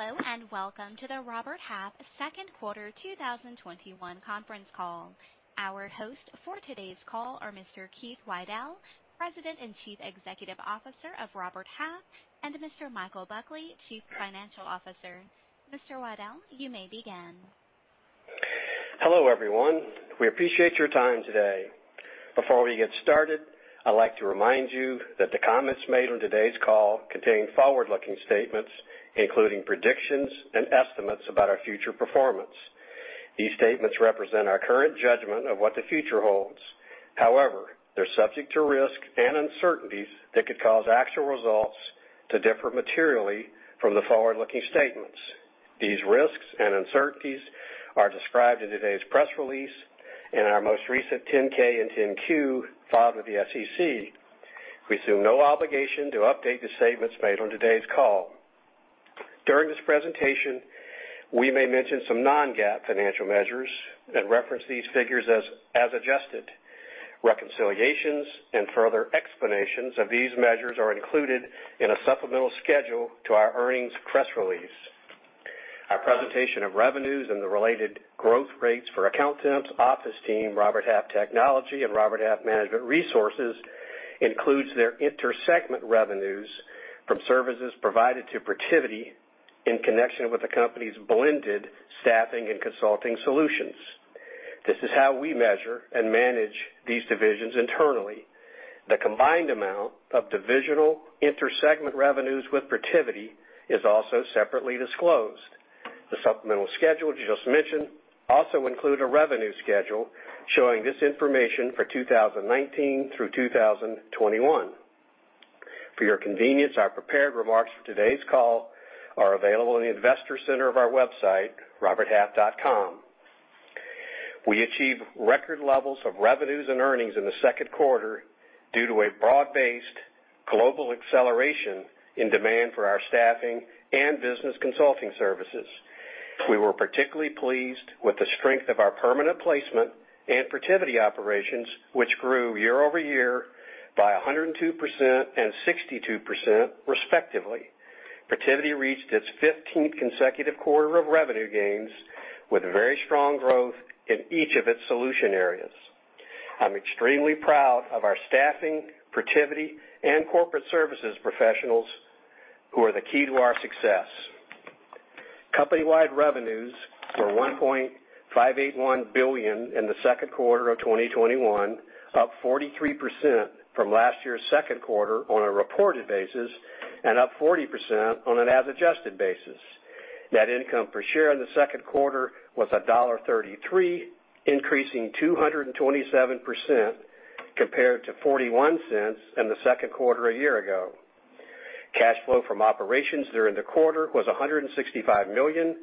Hello, welcome to the Robert Half second quarter 2021 conference call. Our host for today's call are Mr. Keith Waddell, President and Chief Executive Officer of Robert Half, and Mr. Michael Buckley, Chief Financial Officer. Mr. Waddell, you may begin. Hello, everyone. We appreciate your time today. Before we get started, I'd like to remind you that the comments made on today's call contain forward-looking statements, including predictions and estimates about our future performance. These statements represent our current judgment of what the future holds. However, they're subject to risks and uncertainties that could cause actual results to differ materially from the forward-looking statements. These risks and uncertainties are described in today's press release and our most recent 10-K and 10-Q filed with the SEC. We assume no obligation to update the statements made on today's call. During this presentation, we may mention some non-GAAP financial measures and reference these figures as adjusted. Reconciliations and further explanations of these measures are included in a supplemental schedule to our earnings press release. Our presentation of revenues and the related growth rates for Accountemps, OfficeTeam, Robert Half Technology, and Robert Half Management Resources includes their inter-segment revenues from services provided to Protiviti in connection with the company's blended staffing and consulting solutions. This is how we measure and manage these divisions internally. The combined amount of divisional inter-segment revenues with Protiviti is also separately disclosed. The supplemental schedule just mentioned also include a revenue schedule showing this information for 2019 through 2021. For your convenience, our prepared remarks for today's call are available in the investor center of our website, roberthalf.com. We achieved record levels of revenues and earnings in the second quarter due to a broad-based global acceleration in demand for our staffing and business consulting services. We were particularly pleased with the strength of our permanent placement and Protiviti operations, which grew year-over-year by 102% and 62%, respectively. Protiviti reached its 15th consecutive quarter of revenue gains with very strong growth in each of its solution areas. I'm extremely proud of our staffing, Protiviti, and corporate services professionals, who are the key to our success. Company-wide revenues were $1.581 billion in Q2 2021, up 43% from last year's second quarter on a reported basis, and up 40% on an as adjusted basis. Net income per share in the second quarter was $1.33, increasing 227% compared to $0.41 in the second quarter a year ago. Cash flow from operations during the quarter was $165 million.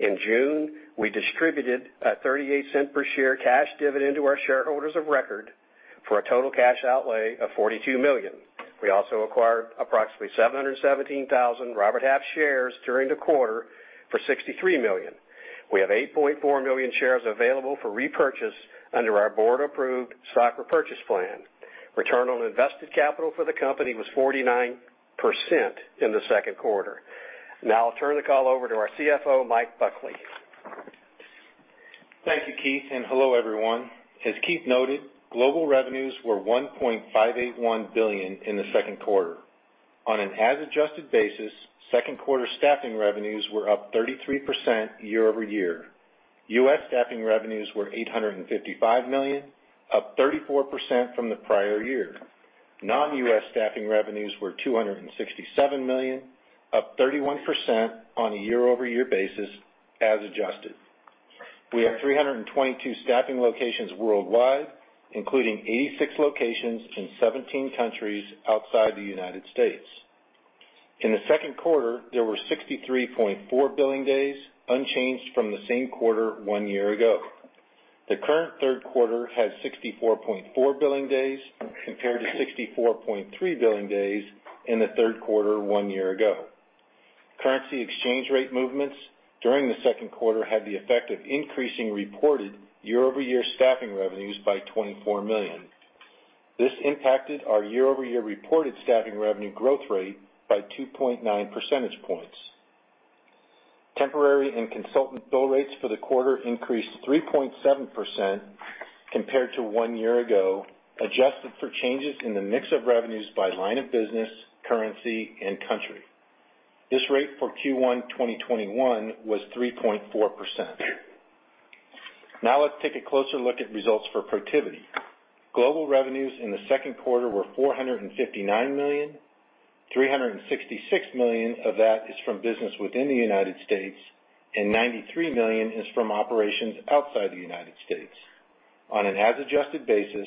In June, we distributed a $0.38 per share cash dividend to our shareholders of record for a total cash outlay of $42 million. We also acquired approximately 717,000 Robert Half shares during the quarter for $63 million. We have 8.4 million shares available for repurchase under our board-approved stock repurchase plan. Return on invested capital for the company was 49% in the second quarter. I'll turn the call over to our CFO, Mike Buckley. Thank you, Keith, and hello, everyone. As Keith noted, global revenues were $1.581 billion in the second quarter. On an as adjusted basis, second quarter staffing revenues were up 33% year-over-year. U.S. staffing revenues were $855 million, up 34% from the prior year. Non-U.S. staffing revenues were $267 million, up 31% on a year-over-year basis as adjusted. We have 322 staffing locations worldwide, including 86 locations in 17 countries outside the United States. In the second quarter, there were 63.4 billing days, unchanged from the same quarter one year ago. The current third quarter has 64.4 billing days compared to 64.3 billing days in the third quarter one year ago. Currency exchange rate movements during the second quarter had the effect of increasing reported year-over-year staffing revenues by $24 million. This impacted our year-over-year reported staffing revenue growth rate by 2.9 percentage points. Temporary and consultant bill rates for the quarter increased 3.7% compared to one year ago, adjusted for changes in the mix of revenues by line of business, currency, and country. This rate for Q1 2021 was 3.4%. Now let's take a closer look at results for Protiviti. Global revenues in the second quarter were $459 million, $366 million of that is from business within the United States, and $93 million is from operations outside the United States. On an as adjusted basis,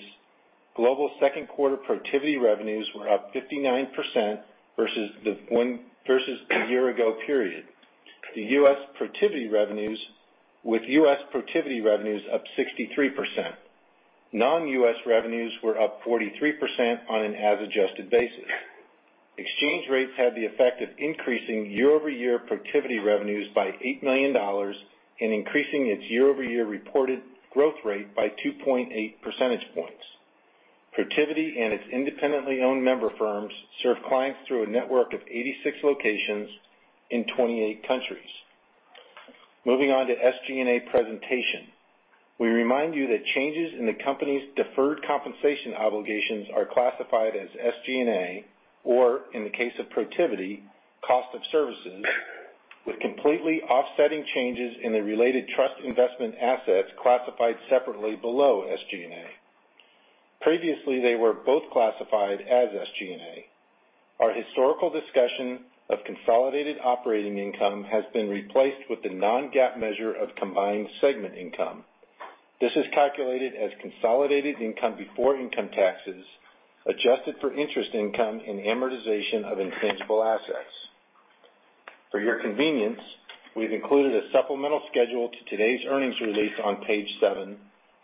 global second quarter Protiviti revenues were up 59% versus the year ago period. With U.S. Protiviti revenues up 63%. Non-U.S. revenues were up 43% on an as adjusted basis. Exchange rates had the effect of increasing year-over-year Protiviti revenues by $8 million and increasing its year-over-year reported growth rate by 2.8 percentage points. Protiviti and its independently owned member firms serve clients through a network of 86 locations in 28 countries. Moving on to SG&A presentation. We remind you that changes in the company's deferred compensation obligations are classified as SG&A or, in the case of Protiviti, cost of services, with completely offsetting changes in the related trust investment assets classified separately below SG&A. Previously, they were both classified as SG&A. Our historical discussion of consolidated operating income has been replaced with the non-GAAP measure of combined segment income. This is calculated as consolidated income before income taxes, adjusted for interest income and amortization of intangible assets. For your convenience, we've included a supplemental schedule to today's earnings release on page seven,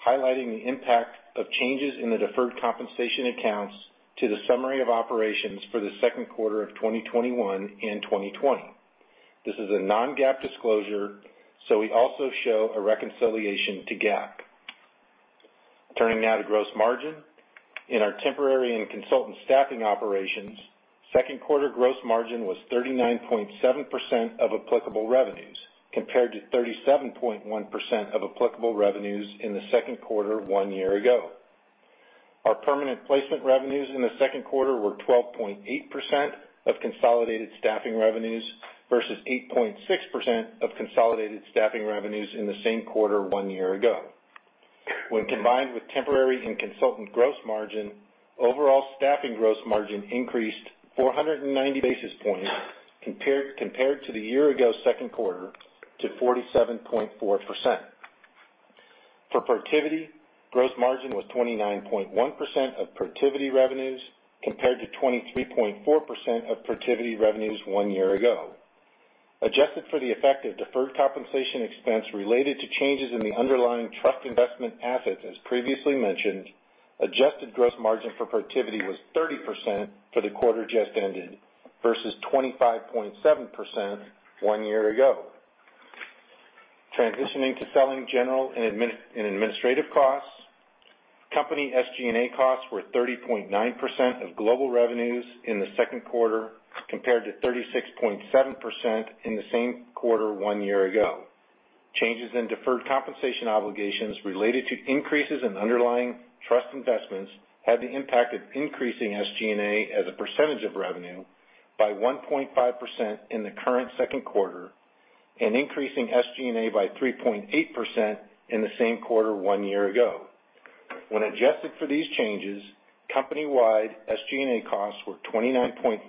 highlighting the impact of changes in the deferred compensation accounts to the summary of operations for the second quarter of 2021 and 2020. This is a non-GAAP disclosure, so we also show a reconciliation to GAAP. Turning now to gross margin. In our temporary and consultant staffing operations, second quarter gross margin was 39.7% of applicable revenues, compared to 37.1% of applicable revenues in the second quarter one year ago. Our permanent placement revenues in the second quarter were 12.8% of consolidated staffing revenues versus 8.6% of consolidated staffing revenues in the same quarter one year ago. When combined with temporary and consultant gross margin, overall staffing gross margin increased 490 basis points compared to the year ago second quarter to 47.4%. For Protiviti, gross margin was 29.1% of Protiviti revenues, compared to 23.4% of Protiviti revenues one year ago. Adjusted for the effect of deferred compensation expense related to changes in the underlying trust investment assets as previously mentioned, adjusted gross margin for Protiviti was 30% for the quarter just ended versus 25.7% one year ago. Transitioning to selling, general, and administrative costs. Company SG&A costs were 30.9% of global revenues in the second quarter compared to 36.7% in the same quarter one year ago. Changes in deferred compensation obligations related to increases in underlying trust investments had the impact of increasing SG&A as a percentage of revenue by 1.5% in the current second quarter and increasing SG&A by 3.8% in the same quarter one year ago. When adjusted for these changes, company-wide SG&A costs were 29.4%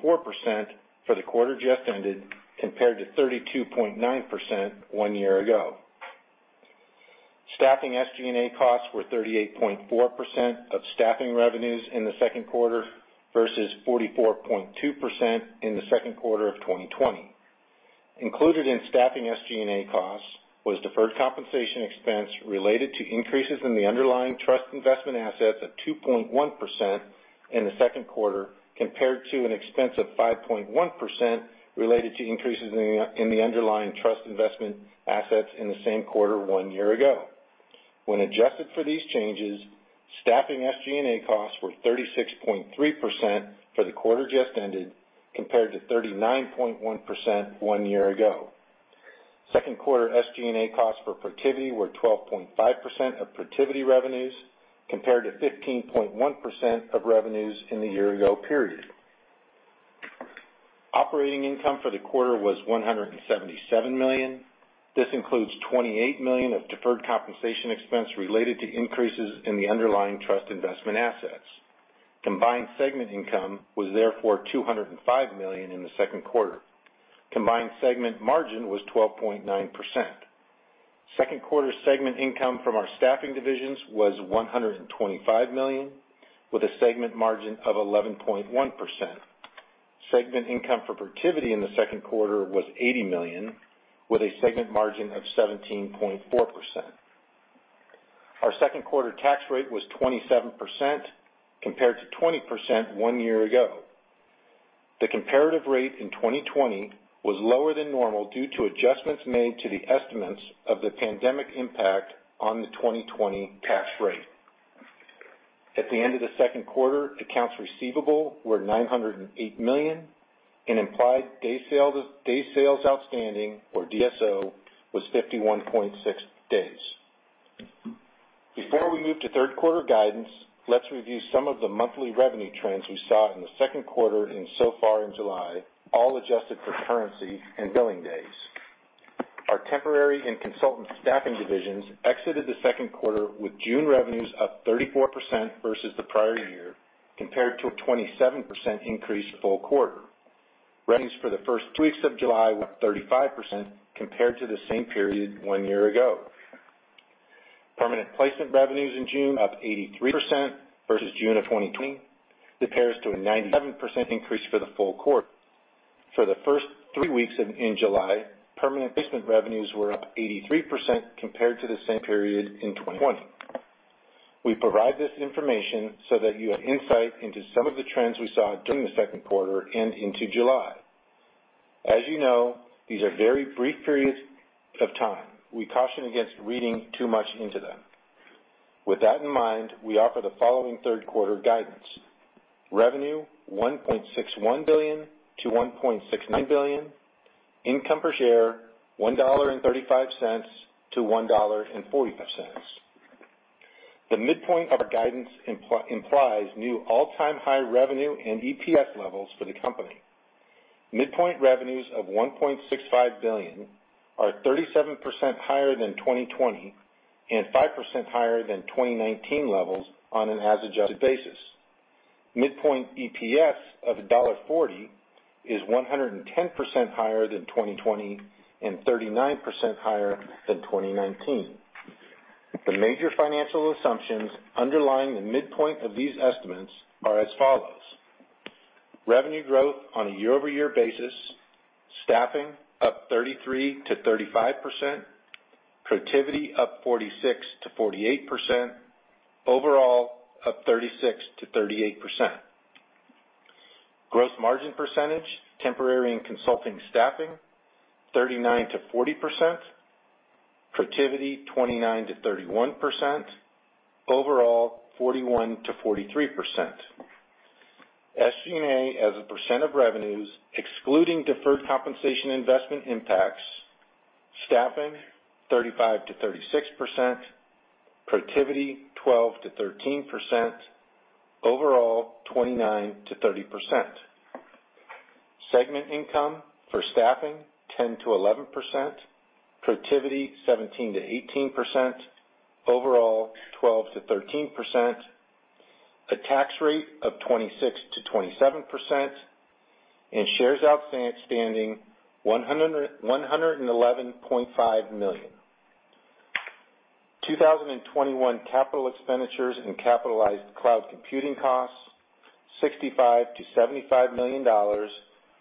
for the quarter just ended, compared to 32.9% one year ago. Staffing SG&A costs were 38.4% of staffing revenues in the second quarter versus 44.2% in the second quarter of 2020. Included in staffing SG&A costs was deferred compensation expense related to increases in the underlying trust investment assets of 2.1% in the second quarter, compared to an expense of 5.1% related to increases in the underlying trust investment assets in the same quarter one year ago. When adjusted for these changes, staffing SG&A costs were 36.3% for the quarter just ended compared to 39.1% one year ago. Second quarter SG&A costs for Protiviti were 12.5% of Protiviti revenues compared to 15.1% of revenues in the year ago period. Operating income for the quarter was $177 million. This includes $28 million of deferred compensation expense related to increases in the underlying trust investment assets. Combined segment income was therefore $205 million in the second quarter. Combined segment margin was 12.9%. Second quarter segment income from our staffing divisions was $125 million with a segment margin of 11.1%. Segment income for Protiviti in the second quarter was $80 million with a segment margin of 17.4%. Our second quarter tax rate was 27% compared to 20% one year ago. The comparative rate in 2020 was lower than normal due to adjustments made to the estimates of the pandemic impact on the 2020 cash rate. At the end of the second quarter, accounts receivable were $908 million and implied days sales outstanding, or DSO, was 51.6 days. Before we move to third quarter guidance, let's review some of the monthly revenue trends we saw in the second quarter and so far in July, all adjusted for currency and billing days. Our temporary and consultant staffing divisions exited the second quarter with June revenues up 34% versus the prior year, compared to a 27% increase full quarter. Revenues for the first two weeks of July were up 35% compared to the same period one year ago. Permanent placement revenues in June up 83% versus June of 2020, compares to a 97% increase for the full quarter. For the first three weeks in July, permanent placement revenues were up 83% compared to the same period in 2020. We provide this information so that you have insight into some of the trends we saw during the second quarter and into July. You know, these are very brief periods of time. We caution against reading too much into them. With that in mind, we offer the following third quarter guidance. Revenue: $1.61 billion-$1.69 billion. Income per share: $1.35-$1.45. The midpoint of our guidance implies new all-time high revenue and EPS levels for the company. Midpoint revenues of $1.65 billion are 37% higher than 2020, and 5% higher than 2019 levels on an as-adjusted basis. Midpoint EPS of $1.40 is 110% higher than 2020 and 39% higher than 2019. The major financial assumptions underlying the midpoint of these estimates are as follows. Revenue growth on a year-over-year basis, staffing up 33%-35%, Protiviti up 46%-48%, overall up 36%-38%. Gross margin percentage, temporary and consulting staffing, 39%-40%, Protiviti, 29%-31%, overall 41%-43%. SG&A as a % of revenues, excluding deferred compensation investment impacts, staffing 35%-36%, Protiviti 12%-13%, overall 29%-30%. Segment income for staffing 10%-11%, Protiviti 17%-18%, overall 12%-13%. A tax rate of 26%-27%, shares outstanding, $111.5 million. 2021 capital expenditures and capitalized cloud computing costs, $65 million-$75 million,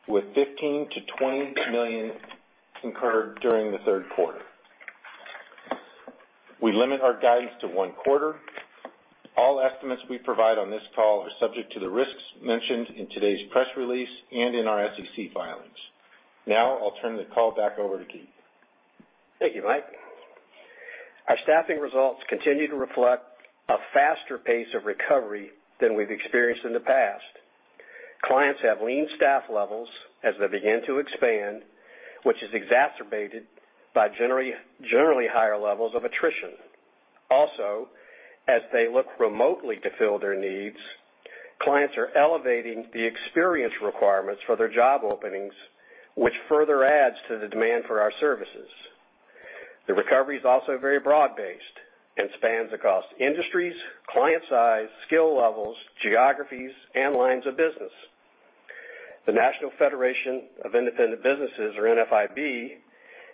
with $15 million-$20 million incurred during the third quarter. We limit our guidance to one quarter. All estimates we provide on this call are subject to the risks mentioned in today's press release and in our SEC filings. I'll turn the call back over to Keith. Thank you, Mike. Our staffing results continue to reflect a faster pace of recovery than we've experienced in the past. Clients have lean staff levels as they begin to expand, which is exacerbated by generally higher levels of attrition. As they look remotely to fill their needs, clients are elevating the experience requirements for their job openings, which further adds to the demand for our services. The recovery is also very broad-based and spans across industries, client size, skill levels, geographies, and lines of business. The National Federation of Independent Business, or NFIB,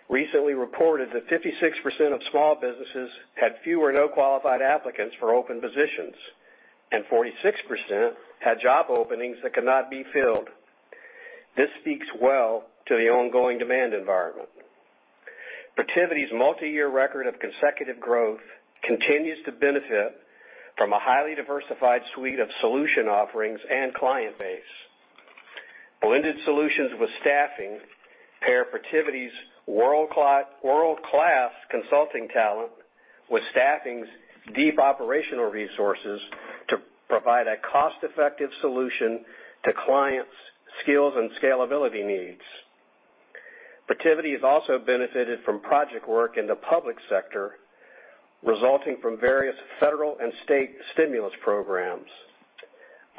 recently reported that 56% of small businesses had few or no qualified applicants for open positions, and 46% had job openings that could not be filled. This speaks well to the ongoing demand environment. Protiviti's multi-year record of consecutive growth continues to benefit from a highly diversified suite of solution offerings and client base. Blended solutions with staffing pair Protiviti's world-class consulting talent with staffing's deep operational resources to provide a cost-effective solution to clients' skills and scalability needs. Protiviti has also benefited from project work in the public sector, resulting from various federal and state stimulus programs.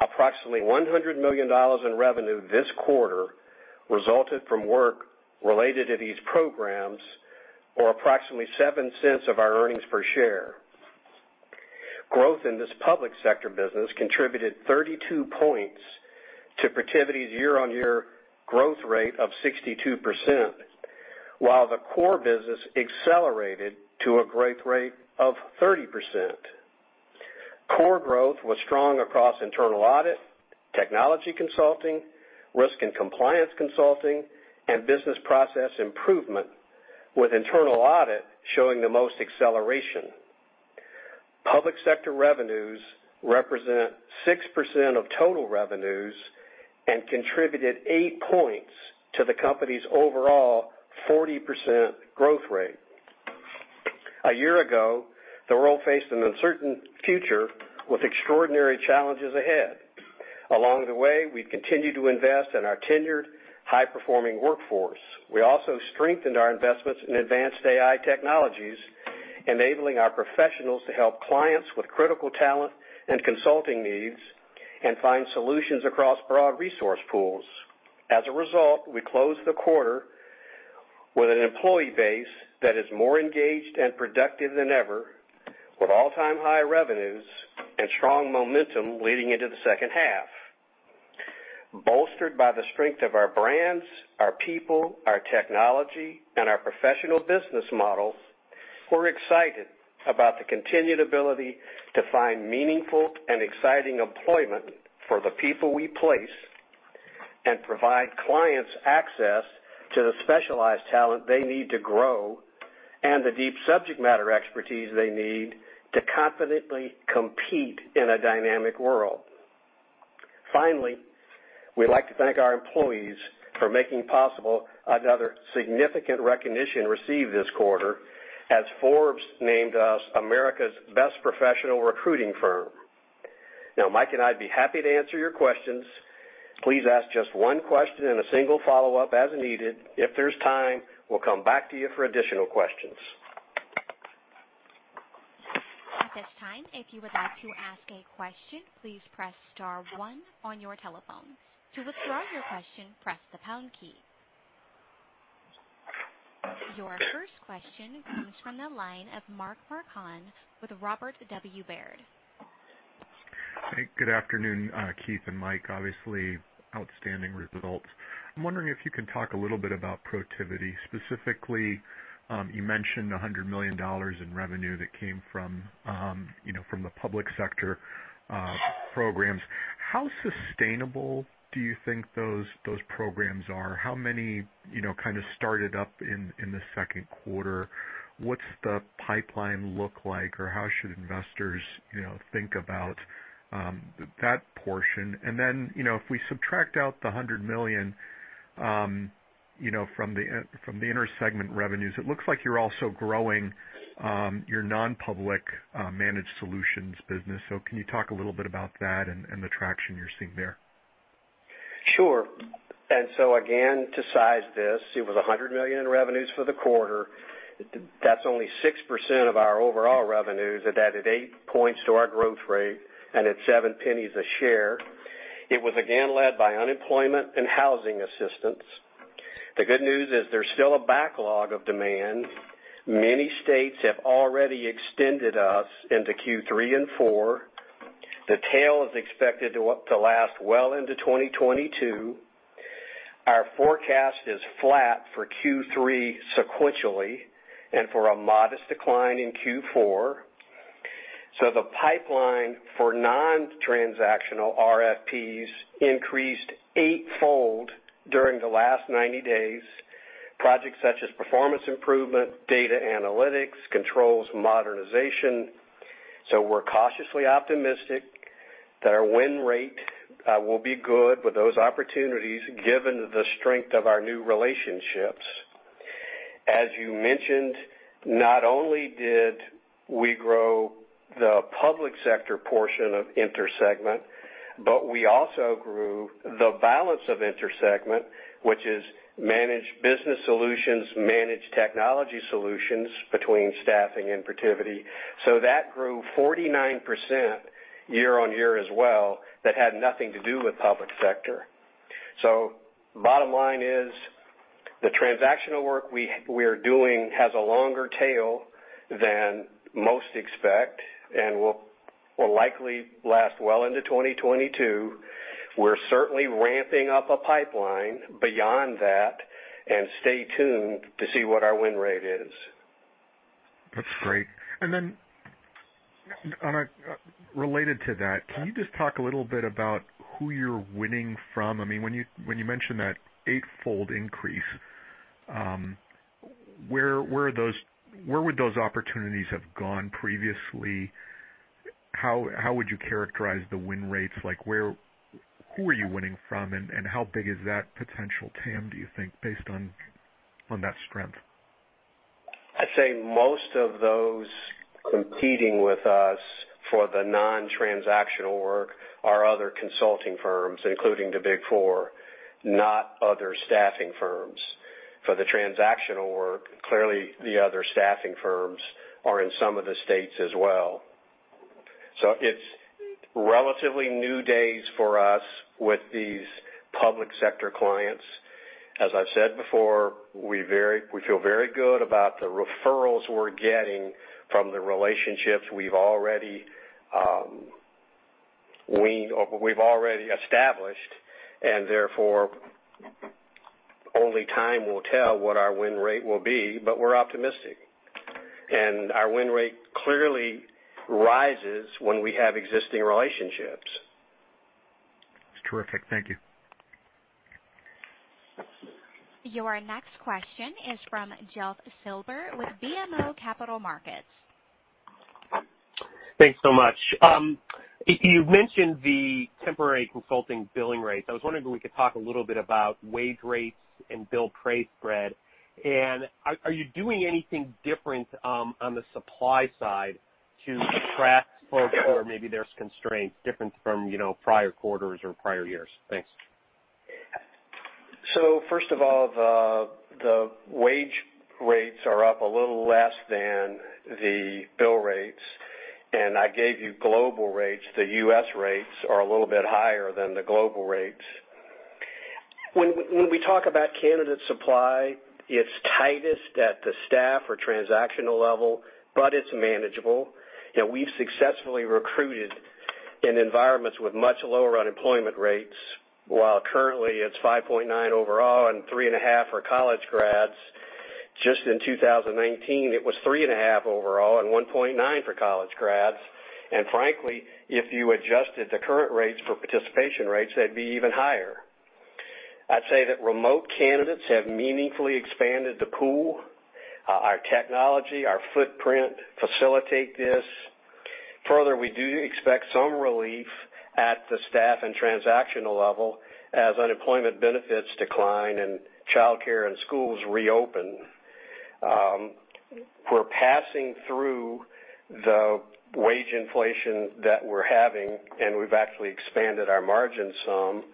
Approximately $100 million in revenue this quarter resulted from work related to these programs, or approximately $0.07 of our earnings per share. Growth in this public sector business contributed 32 points to Protiviti's year-over-year growth rate of 62%, while the core business accelerated to a growth rate of 30%. Core growth was strong across internal audit, technology consulting, risk and compliance consulting, and business process improvement, with internal audit showing the most acceleration. Public sector revenues represent 6% of total revenues and contributed 8 points to the company's overall 40% growth rate. A year ago, the world faced an uncertain future with extraordinary challenges ahead. Along the way, we've continued to invest in our tenured, high-performing workforce. We also strengthened our investments in advanced AI technologies, enabling our professionals to help clients with critical talent and consulting needs and find solutions across broad resource pools. As a result, we closed the quarter with an employee base that is more engaged and productive than ever, with all-time high revenues and strong momentum leading into the second half. Bolstered by the strength of our brands, our people, our technology, and our professional business models, we're excited about the continued ability to find meaningful and exciting employment for the people we place and provide clients access to the specialized talent they need to grow and the deep subject matter expertise they need to confidently compete in a dynamic world. We'd like to thank our employees for making possible another significant recognition received this quarter, as Forbes named us America's Best Professional Recruiting Firm. Mike and I'd be happy to answer your questions. Please ask just 1 question and a single follow-up as needed. If there's time, we'll come back to you for additional questions. Your first question comes from the line of Mark Marcon with Robert W. Baird. Hey, good afternoon, Keith and Michael. Obviously, outstanding results. I'm wondering if you can talk a little bit about Protiviti. Specifically, you mentioned $100 million in revenue that came from the public sector programs. How sustainable do you think those programs are? How many kind of started up in the 2nd quarter? What's the pipeline look like, or how should investors think about that portion? If we subtract out the 100 million from the inter-segment revenues, it looks like you're also growing your non-public managed solutions business. Can you talk a little bit about that and the traction you're seeing there? Sure. Again, to size this, it was $100 million in revenues for the quarter. That's only 6% of our overall revenues. It added 8 points to our growth rate, and it's $0.07 a share. It was again led by unemployment and housing assistance. The good news is there's still a backlog of demand. Many states have already extended us into Q3 and Q4. The tail is expected to last well into 2022. Our forecast is flat for Q3 sequentially and for a modest decline in Q4. The pipeline for non-transactional RFPs increased eightfold during the last 90 days. Projects such as performance improvement, data analytics, controls modernization. We're cautiously optimistic that our win rate will be good with those opportunities, given the strength of our new relationships. As you mentioned, not only did we grow the public sector portion of inter-segment, but we also grew the balance of inter-segment, which is managed business solutions, managed technology solutions between staffing and Protiviti. That grew 49% year-on-year as well, that had nothing to do with public sector. Bottom line is the transactional work we're doing has a longer tail than most expect and will likely last well into 2022. We're certainly ramping up a pipeline beyond that, and stay tuned to see what our win rate is. That's great. Related to that, can you just talk a little bit about who you're winning from? When you mention that eightfold increase, where would those opportunities have gone previously? How would you characterize the win rates? Who are you winning from, and how big is that potential TAM, do you think, based on that strength? I'd say most of those competing with us for the non-transactional work are other consulting firms, including the Big Four, not other staffing firms. For the transactional work, clearly the other staffing firms are in some of the states as well. It's relatively new days for us with these public sector clients. As I've said before, we feel very good about the referrals we're getting from the relationships we've already established, and therefore, only time will tell what our win rate will be. We're optimistic, and our win rate clearly rises when we have existing relationships. That's terrific. Thank you. Your next question is from Jeff Silber with BMO Capital Markets. Thanks so much. You mentioned the temporary consulting billing rates. I was wondering if we could talk a little bit about wage rates and bill rate spread. Are you doing anything different on the supply side to attract folks where maybe there's constraints different from prior quarters or prior years? Thanks. First of all, the wage rates are up a little less than the bill rates, and I gave you global rates. The U.S. rates are a little bit higher than the global rates. When we talk about candidate supply, it's tightest at the staff or transactional level, but it's manageable. We've successfully recruited in environments with much lower unemployment rates. While currently it's 5.9% overall and 3.5% for college grads, just in 2019, it was 3.5% overall and 1.9% for college grads. Frankly, if you adjusted the current rates for participation rates, they'd be even higher. I'd say that remote candidates have meaningfully expanded the pool. Our technology, our footprint facilitate this. Further, we do expect some relief at the staff and transactional level as unemployment benefits decline and childcare and schools reopen. We're passing through the wage inflation that we're having, and we've actually expanded our margin some.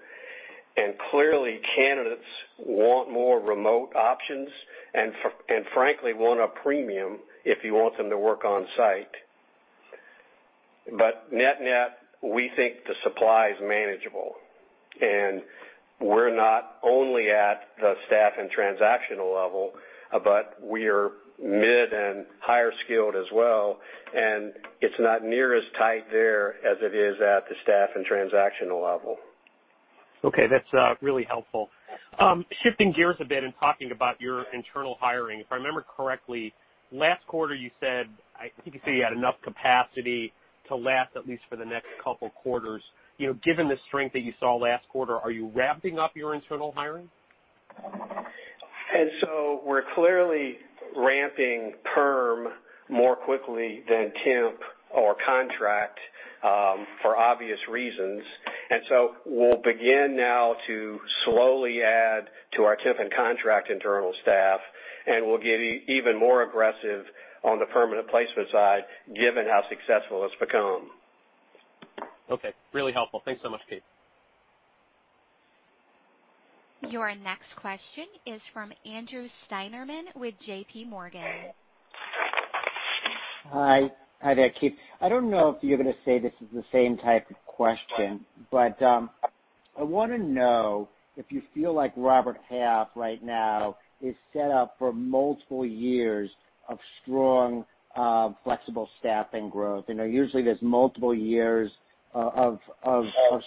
Clearly, candidates want more remote options and frankly want a premium if you want them to work on-site. Net-net, we think the supply is manageable. We're not only at the staff and transactional level, but we are mid and higher skilled as well, and it's not near as tight there as it is at the staff and transactional level. Okay. That's really helpful. Shifting gears a bit and talking about your internal hiring. If I remember correctly, last quarter you said, I think you said you had enough capacity to last at least for the next couple quarters. Given the strength that you saw last quarter, are you ramping up your internal hiring? We're clearly ramping perm more quickly than temp or contract, for obvious reasons. We'll begin now to slowly add to our temp and contract internal staff, and we'll get even more aggressive on the permanent placement side, given how successful it's become. Okay. Really helpful. Thanks so much, Keith. Your next question is from Andrew Steinerman with JPMorgan. Hi there, Keith. I don't know if you're going to say this is the same type of question. I want to know if you feel like Robert Half right now is set up for multiple years of strong, flexible staffing growth. Usually there's multiple years of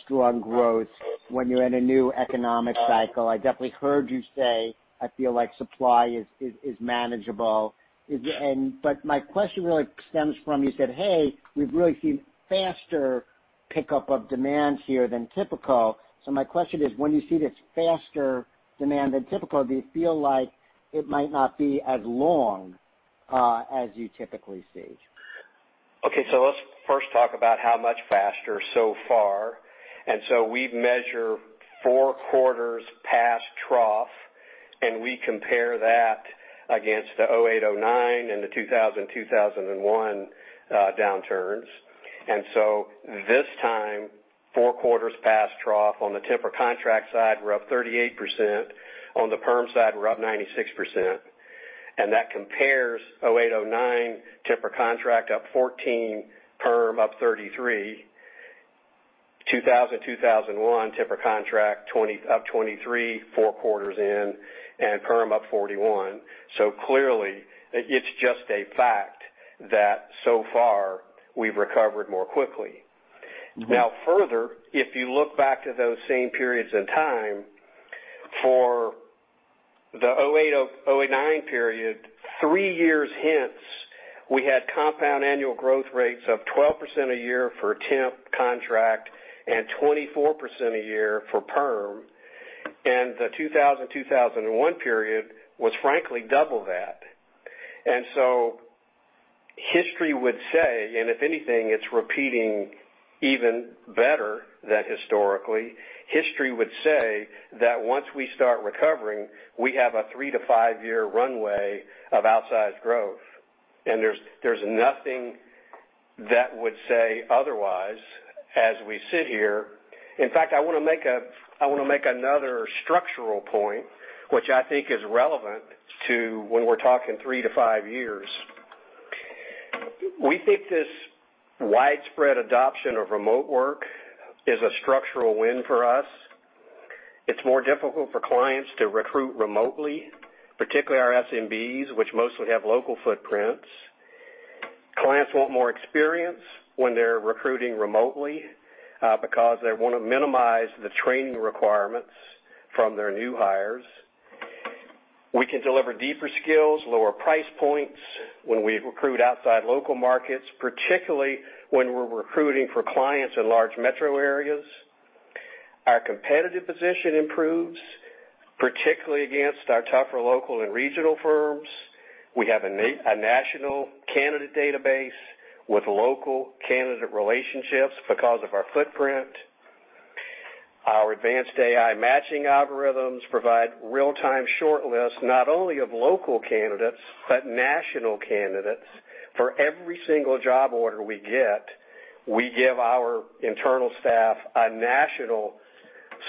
strong growth when you're in a new economic cycle. I definitely heard you say, I feel like supply is manageable. My question really stems from you said, hey, we've really seen faster pickup of demand here than typical. My question is, when you see this faster demand than typical, do you feel like it might not be as long as you typically see? Okay. Let's first talk about how much faster so far. We measure four quarters past trough, and we compare that against the 2008-2009 and the 2000-2001 downturns. This time, four quarters past trough on the temp or contract side, we're up 38%. On the perm side, we're up 96%. That compares 2008-2009 temp or contract up 14%, perm up 33%. 2000-2001 temp or contract up 23% four quarters in and perm up 41%. Clearly, it's just a fact that so far we've recovered more quickly. Further, if you look back to those same periods in time for the 2008-2009 period, three years hence, we had compound annual growth rates of 12% a year for temp contract and 24% a year for perm. The 2000-2001 period was frankly double that. History would say, and if anything, it's repeating even better than historically. History would say that once we start recovering, we have a three to five-year runway of outsized growth. There's nothing that would say otherwise as we sit here. In fact, I want to make another structural point, which I think is relevant to when we're talking three to five years. We think this widespread adoption of remote work is a structural win for us. It's more difficult for clients to recruit remotely, particularly our SMBs, which mostly have local footprints. Clients want more experience when they're recruiting remotely, because they want to minimize the training requirements from their new hires. We can deliver deeper skills, lower price points when we recruit outside local markets, particularly when we're recruiting for clients in large metro areas. Our competitive position improves, particularly against our tougher local and regional firms. We have a national candidate database with local candidate relationships because of our footprint. Our advanced AI matching algorithms provide real-time shortlists, not only of local candidates, but national candidates. For every single job order we get, we give our internal staff a national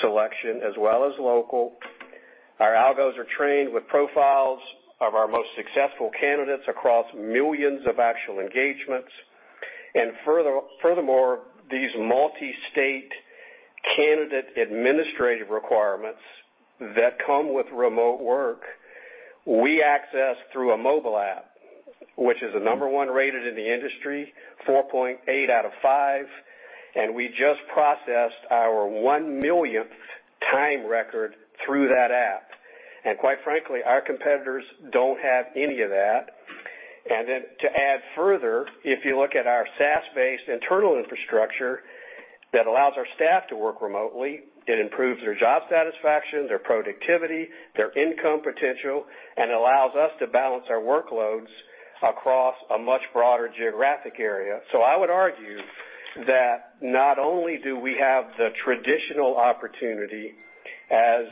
selection as well as local. Our algos are trained with profiles of our most successful candidates across millions of actual engagements. Furthermore, these multi-state candidate administrative requirements that come with remote work, we access through a mobile app, which is the number one rated in the industry, 4.8 out of 5, and we just processed our 1 millionth time record through that app. Quite frankly, our competitors don't have any of that. Then to add further, if you look at our SaaS-based internal infrastructure that allows our staff to work remotely, it improves their job satisfaction, their productivity, their income potential, and allows us to balance our workloads across a much broader geographic area. I would argue that not only do we have the traditional opportunity as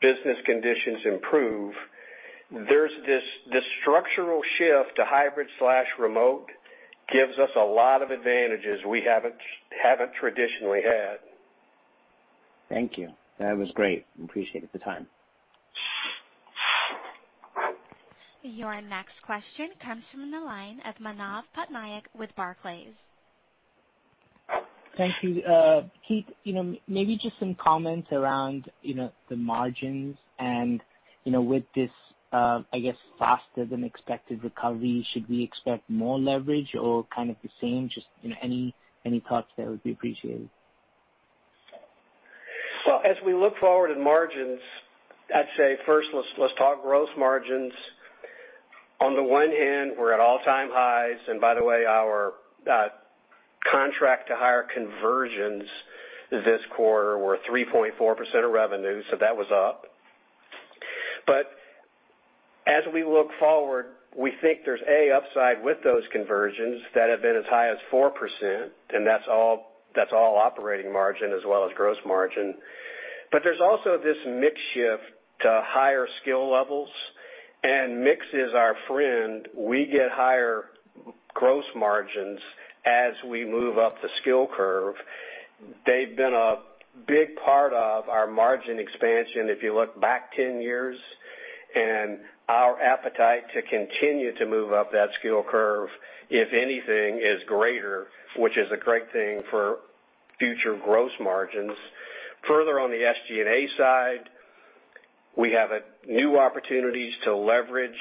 business conditions improve, there's this structural shift to hybrid/remote gives us a lot of advantages we haven't traditionally had. Thank you. That was great. Appreciate the time. Your next question comes from the line of Manav Patnaik with Barclays. Thank you. Keith, maybe just some comments around the margins and with this, I guess, faster than expected recovery, should we expect more leverage or kind of the same? Just any thoughts there would be appreciated. Well, as we look forward in margins, I'd say first let's talk gross margins. On the one hand, we're at all-time highs, by the way, our contract-to-hire conversions this quarter were 3.4% of revenue, that was up. As we look forward, we think there's, A, upside with those conversions that have been as high as 4%, and that's all operating margin as well as gross margin. There's also this mix shift to higher skill levels. Mix is our friend. We get higher gross margins as we move up the skill curve. They've been a big part of our margin expansion, if you look back 10 years. Our appetite to continue to move up that skill curve, if anything, is greater, which is a great thing for future gross margins. On the SG&A side, we have new opportunities to leverage,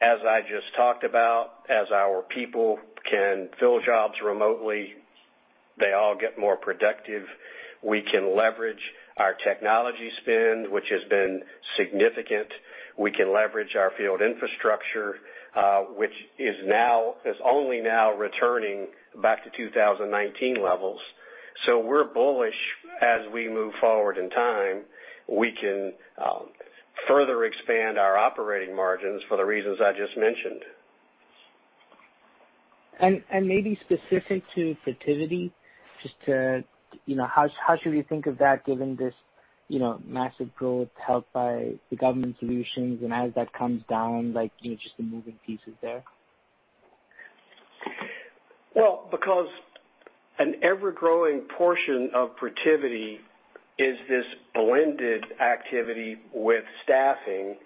as I just talked about. As our people can fill jobs remotely, they all get more productive. We can leverage our technology spend, which has been significant. We can leverage our field infrastructure, which is only now returning back to 2019 levels. We're bullish as we move forward in time. We can further expand our operating margins for the reasons I just mentioned. Maybe specific to Protiviti, how should we think of that given this massive growth helped by the government solutions and as that comes down, like just the moving pieces there? Well, because an ever-growing portion of Protiviti is this blended activity with staffing,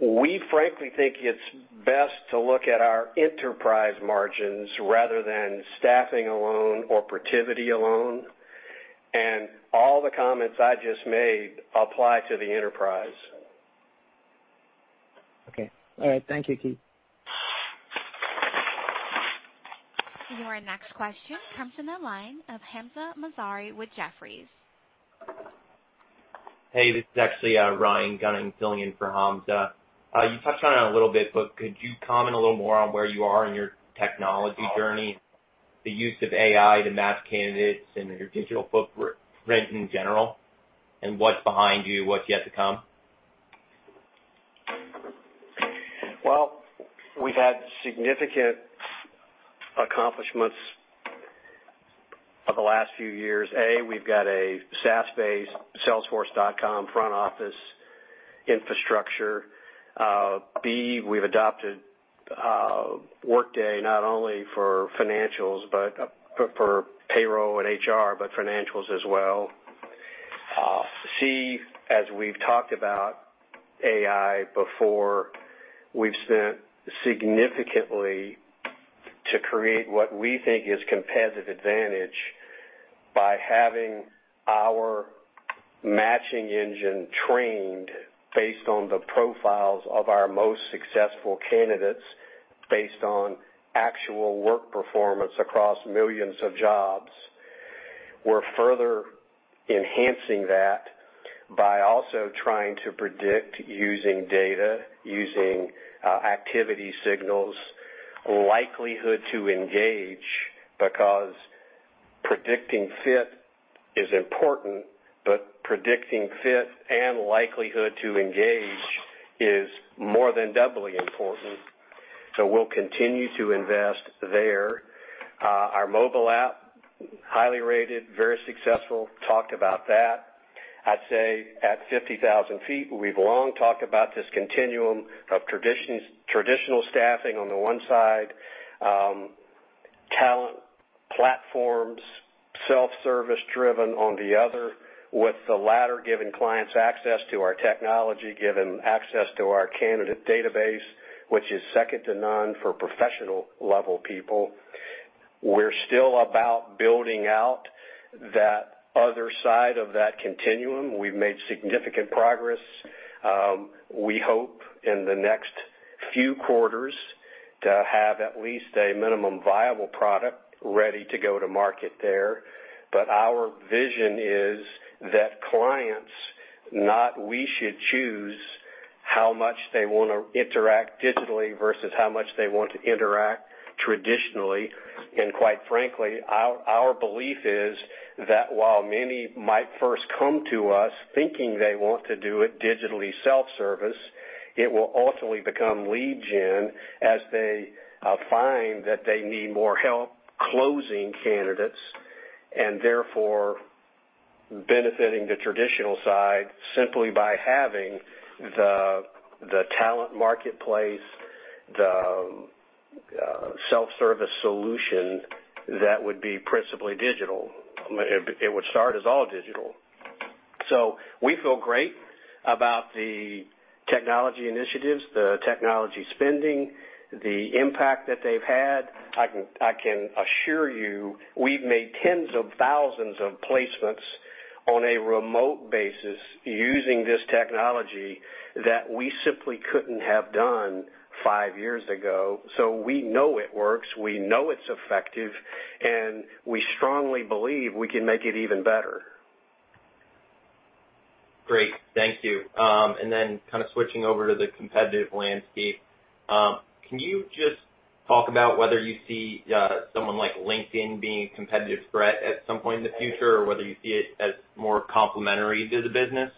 we frankly think it's best to look at our enterprise margins rather than staffing alone or Protiviti alone. All the comments I just made apply to the enterprise. Okay. All right. Thank you, Keith. Your next question comes from the line of Hamzah Mazari with Jefferies. Hey, this is actually Ryan Gunning filling in for Hamzah. Could you comment a little more on where you are in your technology journey, the use of AI to map candidates and your digital footprint in general, and what's behind you, what's yet to come? We've had significant accomplishments over the last few years. A, we've got a SaaS-based Salesforce front-office infrastructure. B, we've adopted Workday not only for financials, for payroll and HR, but financials as well. C, as we've talked about AI before, we've spent significantly to create what we think is competitive advantage by having our matching engine trained based on the profiles of our most successful candidates, based on actual work performance across millions of jobs. We're further enhancing that by also trying to predict using data, using activity signals, likelihood to engage, because predicting fit is important, but predicting fit and likelihood to engage is more than doubly important. We'll continue to invest there. Our mobile app, highly rated, very successful, talked about that. I'd say at 50,000 ft, we've long talked about this continuum of traditional staffing on the 1 side, talent platforms, self-service driven on the other, with the latter giving clients access to our technology, giving access to our candidate database, which is second to none for professional-level people. We're still about building out that other side of that continuum. We've made significant progress. We hope in the next few quarters to have at least a minimum viable product ready to go to market there. Our vision is that clients, not we, should choose how much they want to interact digitally versus how much they want to interact traditionally. Quite frankly, our belief is that while many might first come to us thinking they want to do it digitally self-service, it will ultimately become lead gen as they find that they need more help closing candidates, and therefore benefiting the traditional side simply by having the talent marketplace, the self-service solution that would be principally digital. It would start as all digital. We feel great about the technology initiatives, the technology spending, the impact that they've had. I can assure you, we've made tens of thousands of placements on a remote basis using this technology that we simply couldn't have done five years ago. We know it works, we know it's effective, and we strongly believe we can make it even better. Great. Thank you. Kind of switching over to the competitive landscape, can you just talk about whether you see someone like LinkedIn being a competitive threat at some point in the future, or whether you see it as more complementary to the business?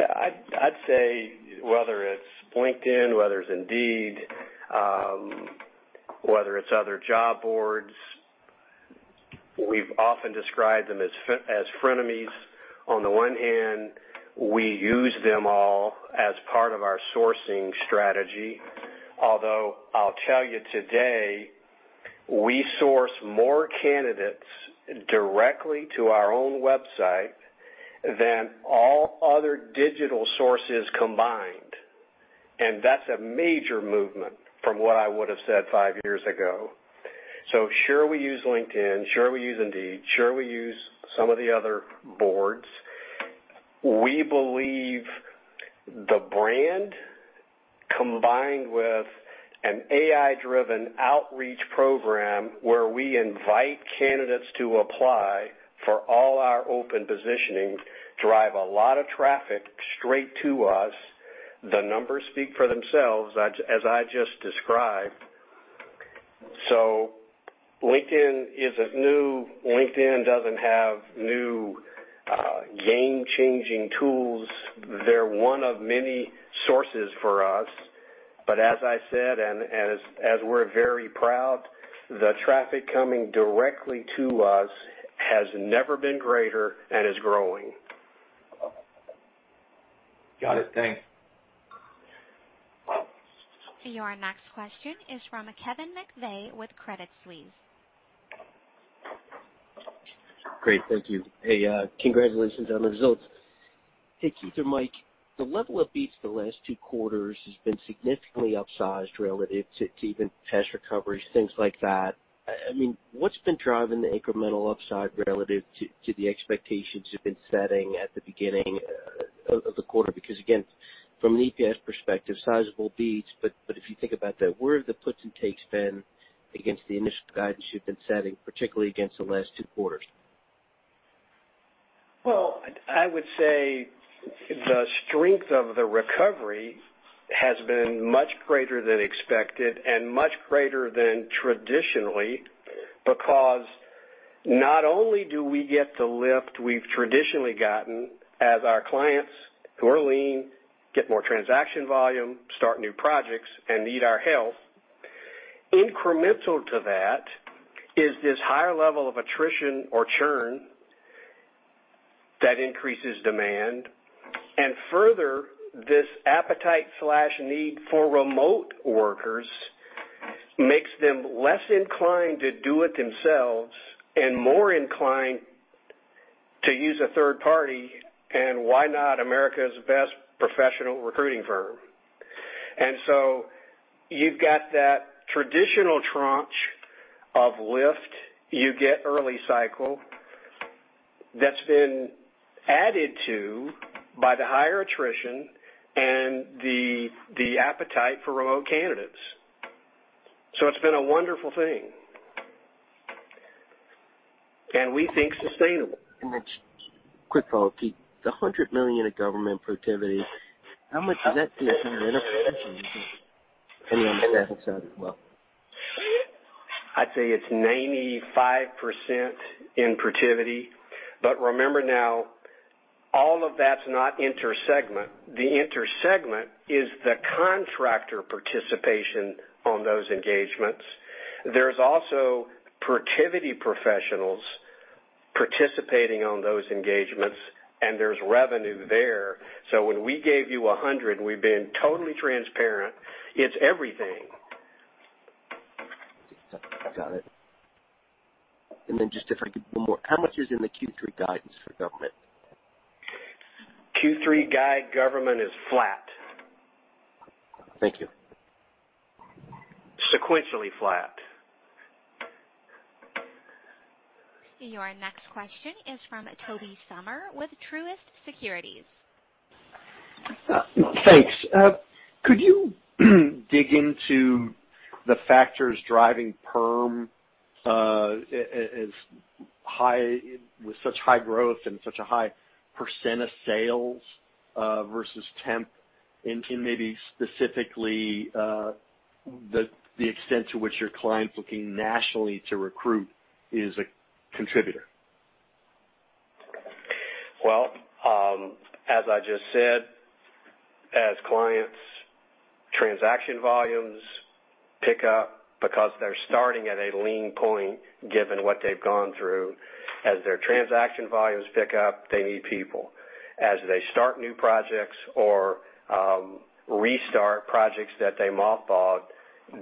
I'd say whether it's LinkedIn, whether it's Indeed, whether it's other job boards, we've often described them as frenemies. On the one hand, we use them all as part of our sourcing strategy. Although I'll tell you today, we source more candidates directly to our own website than all other digital sources combined, and that's a major movement from what I would have said five years ago. Sure, we use LinkedIn, sure we use Indeed, sure we use some of the other boards. We believe the brand, combined with an AI-driven outreach program where we invite candidates to apply for all our open positioning, drive a lot of traffic straight to us. The numbers speak for themselves, as I just described. LinkedIn isn't new. LinkedIn doesn't have new game-changing tools. They're one of many sources for us. As I said, and as we're very proud, the traffic coming directly to us has never been greater and is growing. Got it. Thanks. Your next question is from Kevin McVeigh with Credit Suisse. Great. Thank you. Hey, congratulations on the results. Hey, Keith or Mike, the level of beats the last two quarters has been significantly upsized relative to even test recoveries, things like that. What's been driving the incremental upside relative to the expectations you've been setting at the beginning of the quarter? Again, from an EPS perspective, sizable beats. If you think about that, where have the puts and takes been against the initial guidance you've been setting, particularly against the last two quarters? Well, I would say the strength of the recovery has been much greater than expected and much greater than traditionally. Not only do we get the lift we've traditionally gotten as our clients who are lean, get more transaction volume, start new projects, and need our help. Incremental to that is this higher level of attrition or churn that increases demand. Further, this appetite/need for remote workers makes them less inclined to do it themselves and more inclined to use a third party. Why not America's best professional recruiting firm? You've got that traditional tranche of lift you get early cycle that's been added to by the higher attrition and the appetite for remote candidates. It's been a wonderful thing. We think sustainable. Just a quick follow-up, Keith. The $100 million in government Protiviti, how much of that do you think on the staffing side as well? I'd say it's 95% in Protiviti. Remember now, all of that's not intersegment. The intersegment is the contractor participation on those engagements. There's also Protiviti professionals participating on those engagements, and there's revenue there. When we gave you $100 million, we've been totally transparent. It's everything. Got it. Just if I could, one more. How much is in the Q3 guidance for government? Q3 guide government is flat. Thank you. Sequentially flat Your next question is from Tobey Sommer with Truist Securities. Thanks. Could you dig into the factors driving perm with such high growth and such a high percent of sales, versus temp, and maybe specifically, the extent to which your clients looking nationally to recruit is a contributor? Well, as I just said, as clients' transaction volumes pick up because they're starting at a lean point, given what they've gone through, as their transaction volumes pick up, they need people. As they start new projects or restart projects that they mothballed,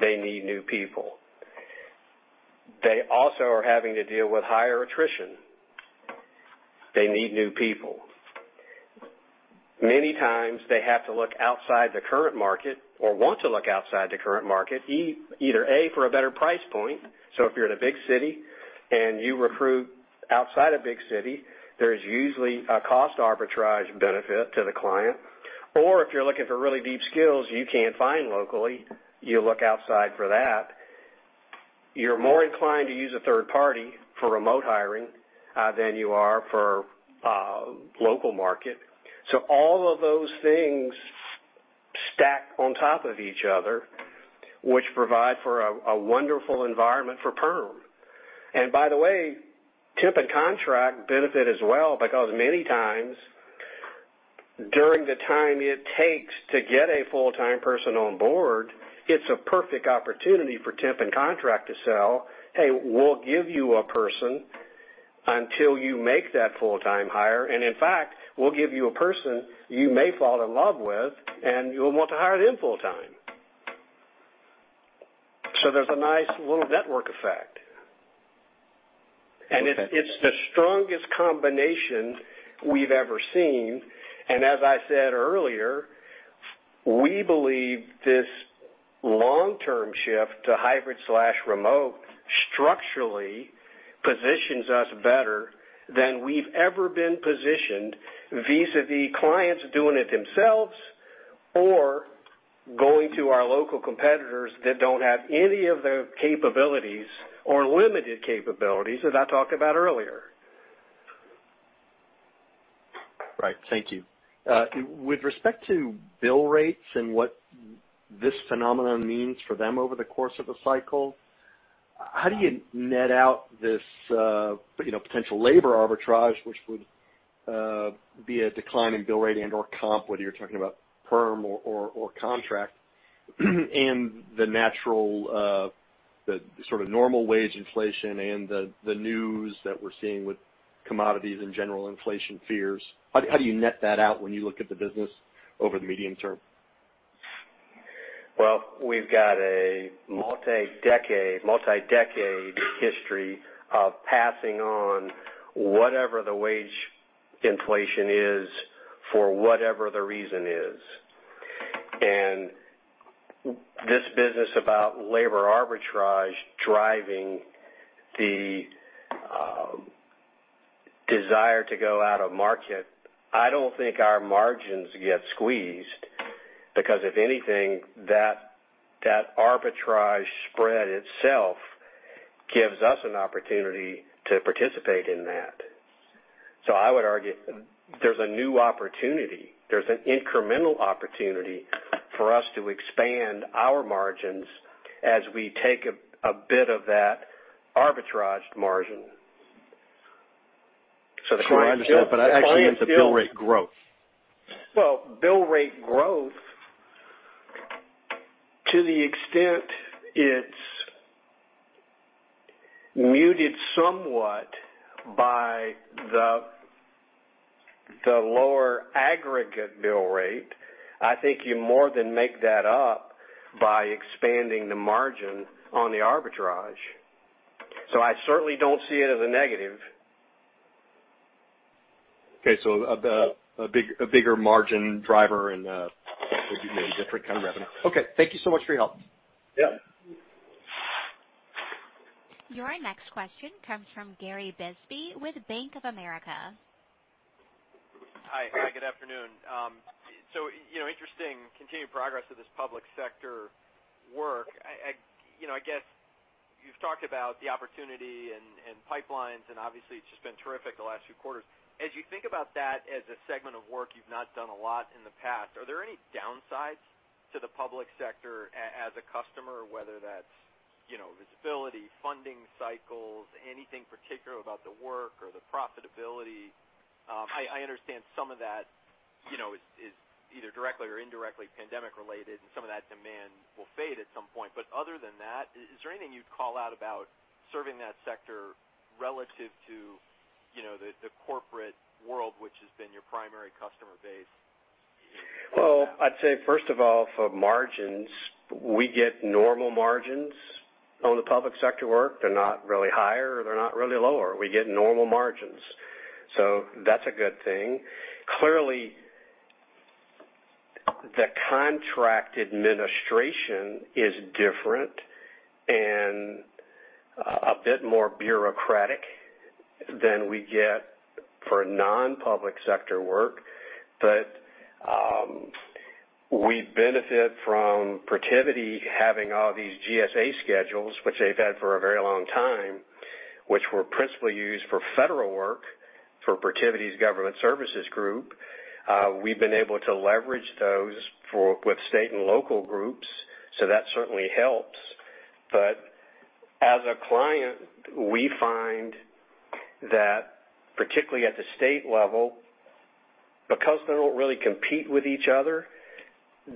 they need new people. They also are having to deal with higher attrition. They need new people. Many times, they have to look outside the current market or want to look outside the current market, either, A, for a better price point. If you're in a big city and you recruit outside a big city, there's usually a cost arbitrage benefit to the client. Or if you're looking for really deep skills you can't find locally, you look outside for that. You're more inclined to use a third party for remote hiring, than you are for local market. All of those things stack on top of each other, which provide for a wonderful environment for perm. By the way, temp and contract benefit as well because many times during the time it takes to get a full-time person on board, it's a perfect opportunity for temp and contract to sell. Hey, we'll give you a person until you make that full-time hire, and in fact, we'll give you a person you may fall in love with, and you'll want to hire them full time. There's a nice little network effect. Okay. It's the strongest combination we've ever seen, and as I said earlier, we believe this long-term shift to hybrid/remote structurally positions us better than we've ever been positioned vis-a-vis clients doing it themselves or going to our local competitors that don't have any of the capabilities or limited capabilities that I talked about earlier. Right. Thank you. With respect to bill rates and what this phenomenon means for them over the course of a cycle, how do you net out this potential labor arbitrage, which would be a decline in bill rate and/or comp, whether you're talking about perm or contract, and the sort of normal wage inflation and the news that we're seeing with commodities and general inflation fears? How do you net that out when you look at the business over the medium term? Well, we've got a multi-decade history of passing on whatever the wage inflation is for whatever the reason is. This business about labor arbitrage driving the desire to go out of market, I don't think our margins get squeezed, because if anything, that arbitrage spread itself gives us an opportunity to participate in that. I would argue there's a new opportunity, there's an incremental opportunity for us to expand our margins as we take a bit of that arbitraged margin. I understand, but actually it's the bill rate growth. Well, bill rate growth, to the extent it's muted somewhat by the lower aggregate bill rate, I think you more than make that up by expanding the margin on the arbitrage. I certainly don't see it as a negative. Okay. A bigger margin driver and a different kind of revenue. Okay, thank you so much for your help. Yeah. Your next question comes from Gary Bisbee with Bank of America. Hi. Good afternoon. Interesting continued progress of this public sector work. I guess you've talked about the opportunity and pipelines, and obviously it's just been terrific the last few quarters. As you think about that as a segment of work you've not done a lot in the past, are there any downsides to the public sector as a customer, whether that's visibility, funding cycles, anything particular about the work or the profitability? I understand some of that is either directly or indirectly pandemic-related, and some of that demand will fade at some point. Other than that, is there anything you'd call out about serving that sector relative to the corporate world, which has been your primary customer base? I'd say, first of all, for margins, we get normal margins on the public sector work. They're not really higher, or they're not really lower. We get normal margins. Clearly, the contract administration is different and a bit more bureaucratic than we get for non-public sector work. We benefit from Protiviti having all these GSA schedules, which they've had for a very long time, which were principally used for federal work for Protiviti's government services group. We've been able to leverage those with state and local groups, that certainly helps. As a client, we find that particularly at the state level, because they don't really compete with each other,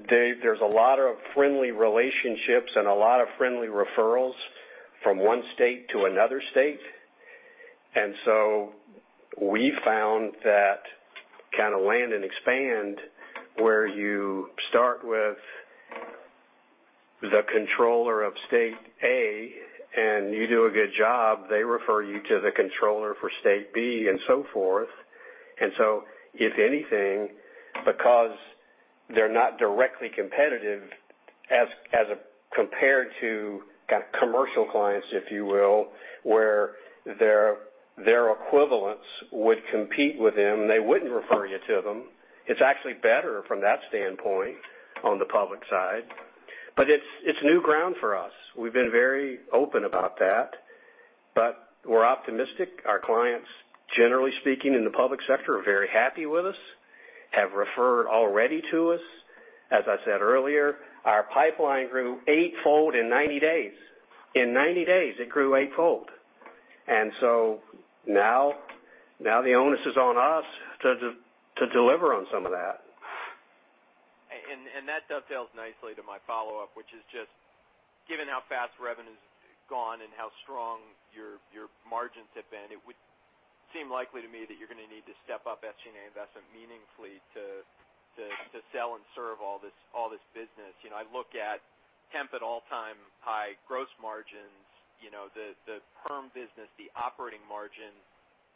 there's a lot of friendly relationships and a lot of friendly referrals from one state to another state. We found that kind of land and expand, where you start with the controller of state A, and you do a good job, they refer you to the controller for state B and so forth. If anything, because they're not directly competitive as compared to commercial clients, if you will, where their equivalents would compete with them, they wouldn't refer you to them. It's actually better from that standpoint on the public side. It's new ground for us. We've been very open about that, but we're optimistic. Our clients, generally speaking, in the public sector, are very happy with us, have referred already to us. As I said earlier, our pipeline grew 8-fold in 90 days. In 90 days, it grew 8-fold. Now the onus is on us to deliver on some of that. That dovetails nicely to my follow-up, which is just given how fast revenue's gone and how strong your margins have been, it would seem likely to me that you're going to need to step up SG&A investment meaningfully to sell and serve all this business. I look at temp at all-time high gross margins. The perm business, the operating margin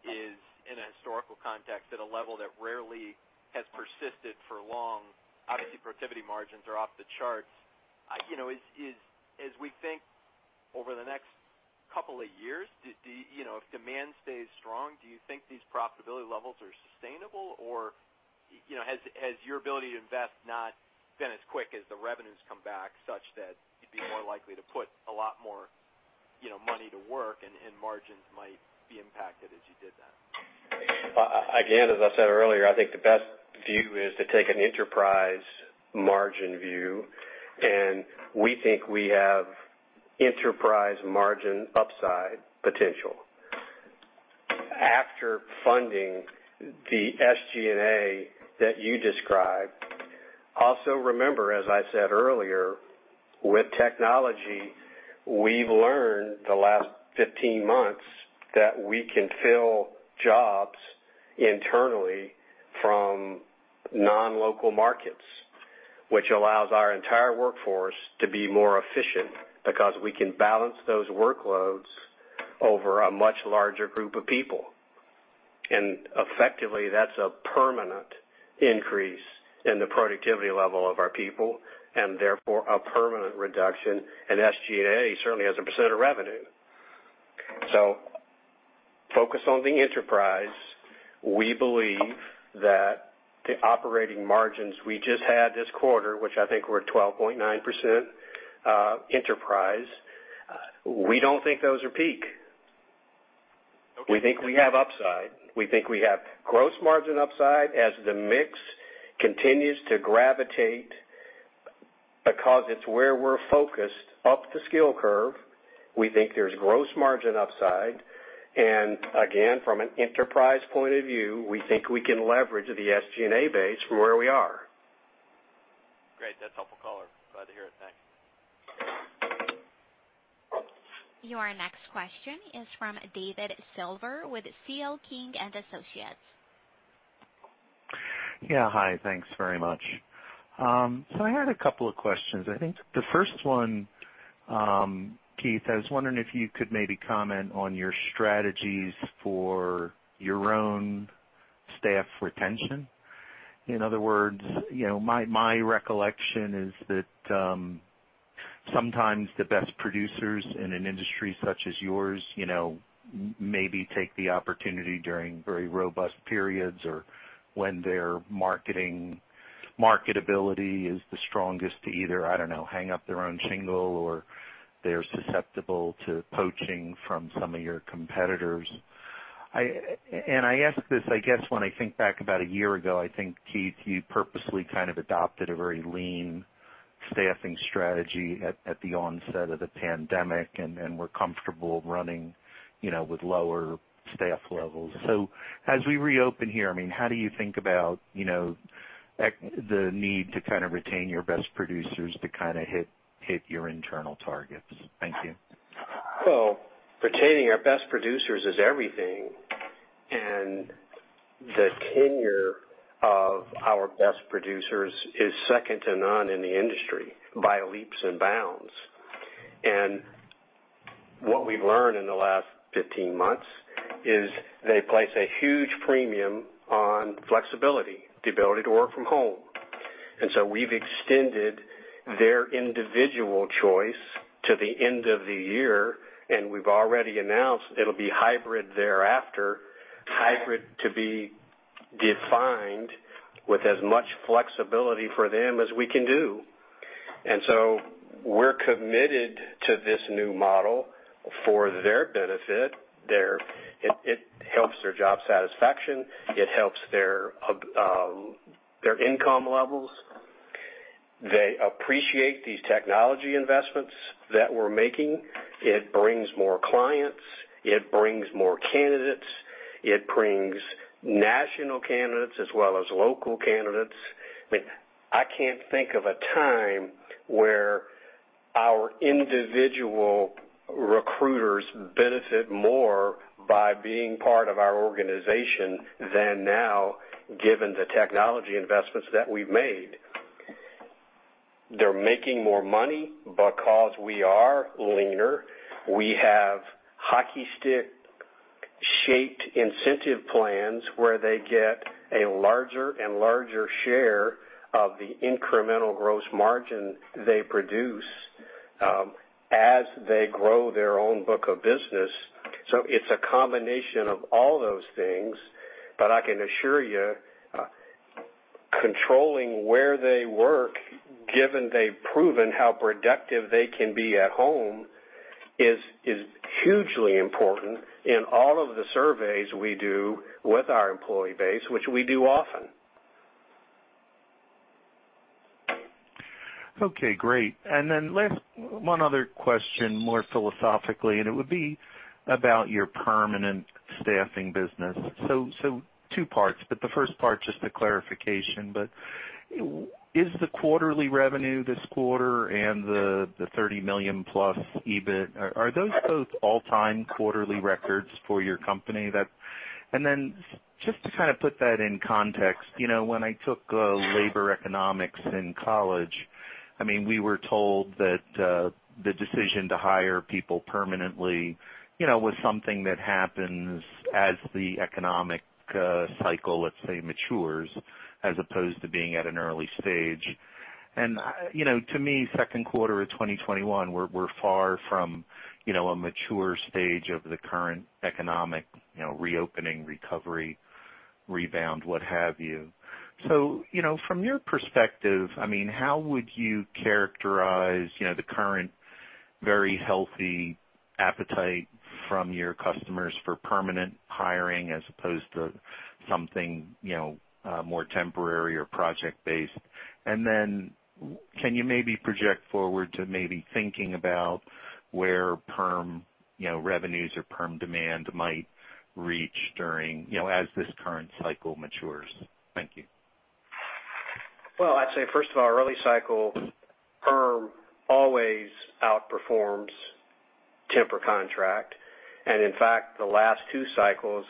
is in a historical context at a level that rarely has persisted for long. Obviously, Protiviti margins are off the charts. As we think over the next a couple of years, if demand stays strong, do you think these profitability levels are sustainable? Has your ability to invest not been as quick as the revenues come back such that you'd be more likely to put a lot more money to work, and margins might be impacted as you did that? As I said earlier, I think the best view is to take an enterprise margin view, and we think we have enterprise margin upside potential after funding the SG&A that you described. Remember, as I said earlier, with technology, we've learned the last 15 months that we can fill jobs internally from non-local markets, which allows our entire workforce to be more efficient because we can balance those workloads over a much larger group of people. Effectively, that's a permanent increase in the productivity level of our people and therefore a permanent reduction in SG&A, certainly as a % of revenue. Focus on the enterprise. We believe that the operating margins we just had this quarter, which I think were 12.9% enterprise, we don't think those are peak. We think we have upside. We think we have gross margin upside as the mix continues to gravitate because it's where we're focused up the skill curve. We think there's gross margin upside. Again, from an enterprise point of view, we think we can leverage the SG&A base from where we are. Great. That's helpful, color. Glad to hear it. Thanks. Your next question is from David Silver with C.L. King & Associates. Yeah. Hi. Thanks very much. I had a couple of questions. I think the first one, Keith, I was wondering if you could maybe comment on your strategies for your own staff retention. In other words, my recollection is that sometimes the best producers in an industry such as yours maybe take the opportunity during very robust periods or when their marketability is the strongest to either, I don't know, hang up their own shingle, or they're susceptible to poaching from some of your competitors. I ask this, I guess when I think back about a year ago, I think, Keith, you purposely kind of adopted a very lean staffing strategy at the onset of the pandemic and were comfortable running with lower staff levels. As we reopen here, how do you think about the need to retain your best producers to hit your internal targets? Thank you. Well, retaining our best producers is everything, and the tenure of our best producers is second to none in the industry by leaps and bounds. What we've learned in the last 15 months is they place a huge premium on flexibility, the ability to work from home. We've extended their individual choice to the end of the year, and we've already announced it'll be hybrid thereafter. Hybrid to be defined with as much flexibility for them as we can do. We're committed to this new model for their benefit. It helps their job satisfaction. It helps their income levels. They appreciate these technology investments that we're making. It brings more clients. It brings more candidates. It brings national candidates as well as local candidates. I can't think of a time where our individual recruiters benefit more by being part of our organization than now, given the technology investments that we've made. They're making more money because we are leaner. We have hockey stick-shaped incentive plans where they get a larger and larger share of the incremental gross margin they produce as they grow their own book of business. It's a combination of all those things, but I can assure you, controlling where they work, given they've proven how productive they can be at home, is hugely important in all of the surveys we do with our employee base, which we do often. Okay, great. Last one other question, more philosophically, and it would be about your permanent staffing business. Two parts, but the first part just a clarification. Is the quarterly revenue this quarter and the $30 million+ EBIT, are those both all-time quarterly records for your company? Just to kind of put that in context, when I took labor economics in college, we were told that the decision to hire people permanently was something that happens as the economic cycle, let's say, matures, as opposed to being at an early stage. To me, second quarter of 2021, we're far from a mature stage of the current economic reopening, recovery, rebound, what have you. From your perspective, how would you characterize the current very healthy appetite from your customers for permanent hiring as opposed to something more temporary or project-based? Can you maybe project forward to maybe thinking about where perm revenues or perm demand might reach as this current cycle matures? Thank you. Well, I'd say, first of all, early cycle perm always outperforms temp or contract. In fact, the last two cycles,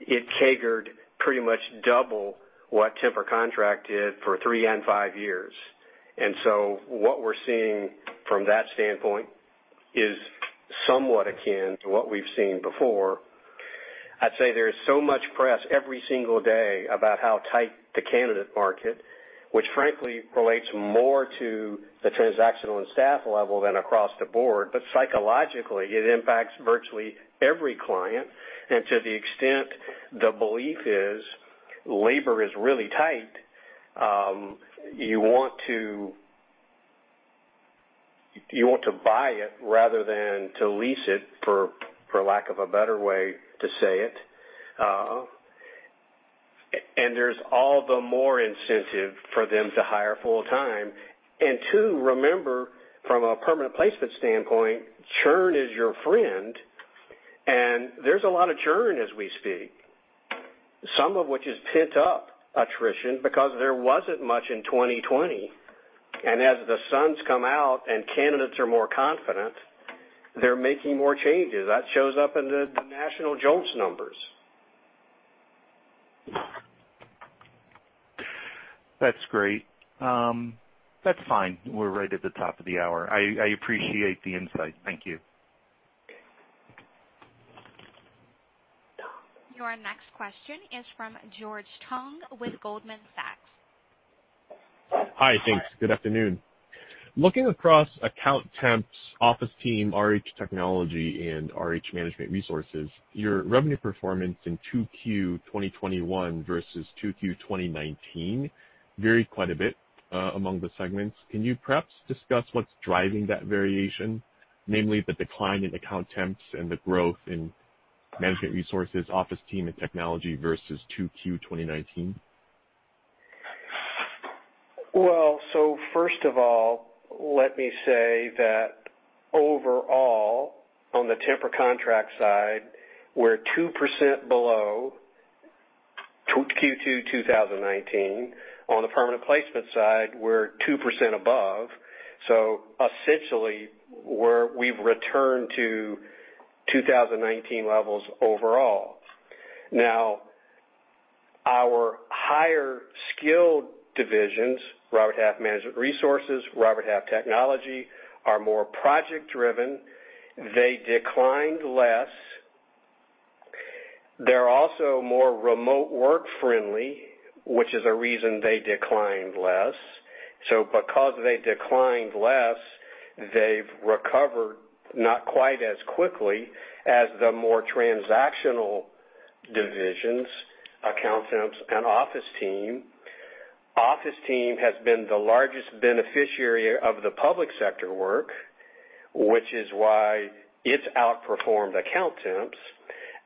it CAGR-ed pretty much double what temp or contract did for three and five years. What we're seeing from that standpoint is somewhat akin to what we've seen before. I'd say there's so much press every single day about how tight the candidate market, which frankly relates more to the transactional and staff level than across the board. Psychologically, it impacts virtually every client, and to the extent the belief is labor is really tight, you want to buy it rather than to lease it, for lack of a better way to say it. There's all the more incentive for them to hire full time. Two, remember, from a permanent placement standpoint, churn is your friend, and there's a lot of churn as we speak. Some of which is pent up attrition because there wasn't much in 2020. As the sun's come out and candidates are more confident, they're making more changes. That shows up in the national JOLTS numbers. That's great. That's fine. We're right at the top of the hour. I appreciate the insight. Thank you. Your next question is from George Tong with Goldman Sachs. Hi. Thanks. Good afternoon. Looking across Accountemps, OfficeTeam, RH Technology, and RH Management Resources, your revenue performance in 2Q 2021 versus 2Q 2019 varied quite a bit among the segments. Can you perhaps discuss what's driving that variation, namely the decline in Accountemps and the growth in Management Resources, OfficeTeam, and Technology versus 2Q 2019? First of all, let me say that overall, on the temp or contract side, we're 2% below 2Q 2019. On the permanent placement side, we're 2% above. Essentially, we've returned to 2019 levels overall. Our higher skilled divisions, Robert Half Management Resources, Robert Half Technology, are more project-driven. They declined less. They're also more remote work friendly, which is a reason they declined less. Because they declined less, they've recovered not quite as quickly as the more transactional divisions, Accountemps and OfficeTeam. OfficeTeam has been the largest beneficiary of the public sector work, which is why it's outperformed Accountemps.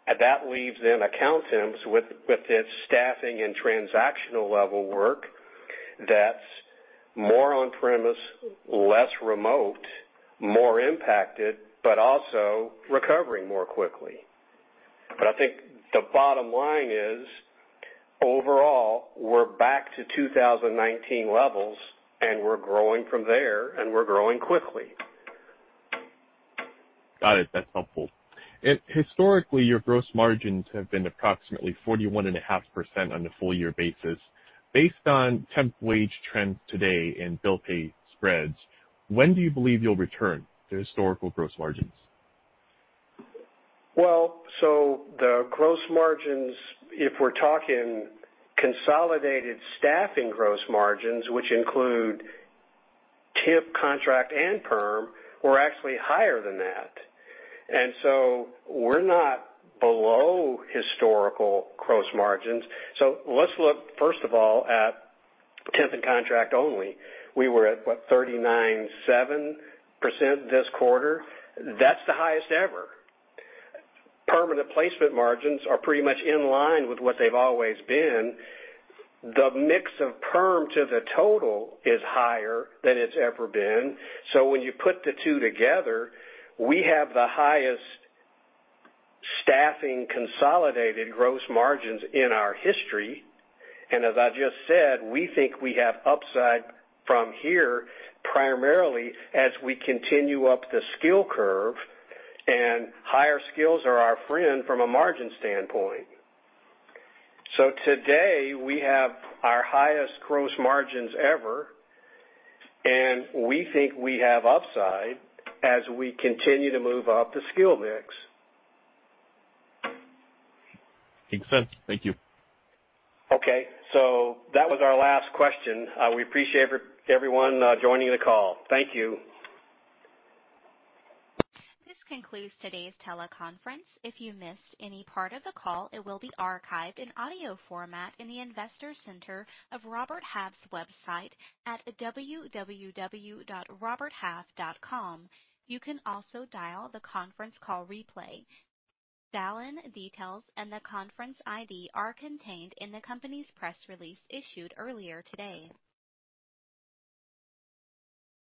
That leaves then Accountemps with its staffing and transactional level work that's more on-premise, less remote, more impacted, but also recovering more quickly. I think the bottom line is, overall, we're back to 2019 levels, and we're growing from there, and we're growing quickly. Got it. That's helpful. Historically, your gross margins have been approximately 41.5% on a full year basis. Based on temp wage trends today and bill pay spreads, when do you believe you'll return to historical gross margins? Well, the gross margins, if we're talking consolidated staffing gross margins, which include temp, contract, and perm, were actually higher than that. We're not below historical gross margins. Let's look, first of all, at temp and contract only. We were at what? 39.7% this quarter. That's the highest ever. Permanent placement margins are pretty much in line with what they've always been. The mix of perm to the total is higher than it's ever been. When you put the two together, we have the highest staffing consolidated gross margins in our history. As I just said, we think we have upside from here, primarily as we continue up the skill curve, and higher skills are our friend from a margin standpoint. Today, we have our highest gross margins ever, and we think we have upside as we continue to move up the skill mix. Makes sense. Thank you. Okay, that was our last question. We appreciate everyone joining the call. Thank you. This concludes today's teleconference. If you missed any part of the call, it will be archived in audio format in the Investor Center of Robert Half's website at www.roberthalf.com. You can also dial the conference call replay. Dial-in details and the conference ID are contained in the company's press release issued earlier today.